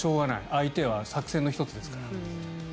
相手は作戦の１つですから。